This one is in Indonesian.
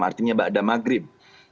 artinya bakda maghrib